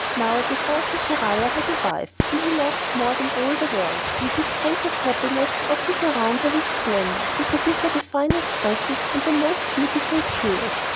Now the Sultan Schahriar had a wife whom he loved more than all the world, and his greatest happiness was to surround her with splendour, and to give her the finest dresses and the most beautiful jewels.